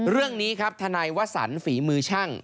เรื่องนี้ครับทนายวสันฝีมือช่าง